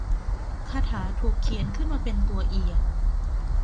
คาถาถูกเขียนขึ้นมาเป็นตัวเอียง